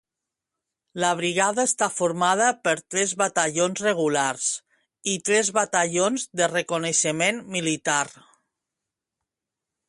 La brigada està formada per tres batallons regulars i tres batallons de reconeixement militar.